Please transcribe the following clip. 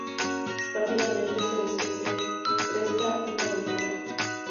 Rápidamente, se les presta una aventura.